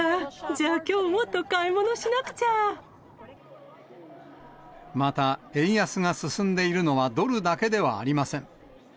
じゃあ、また、円安が進んでいるのは、ドルだけではありません。